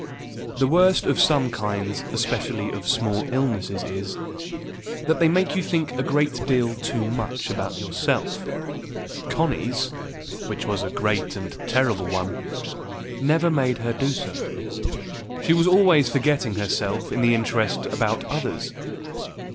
The worst of some kinds especially of small illnesses is, that they make you think a great deal too much about yourself. Connie's, which was a great and terrible one, never made her do so. She was always forgetting herself in her interest about others.